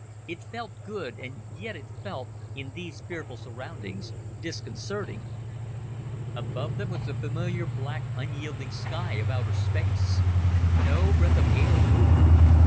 It felt good and yet it felt in these fearful surroundings disconcerting. Above them was the familiar black, unyielding sky of outer space. No breath of air moved.